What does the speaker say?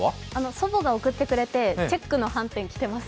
祖母が送ってくれてチェックのはんてんを着てます。